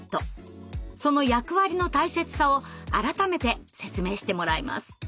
その役割の大切さを改めて説明してもらいます。